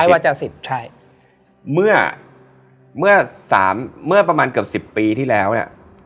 ว่าเจ้าสิบใช่เมื่อเมื่อสามเมื่อประมาณเกือบสิบปีที่แล้วเนี่ย